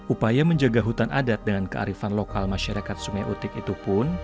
upaya menjaga hutan adat dengan kearifan lokal masyarakat sungai utik itu pun